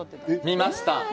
見ました。